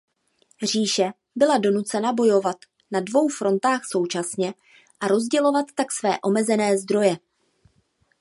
Říše byla donucena bojovat na dvou frontách současně a rozdělovat tak své omezené zdroje.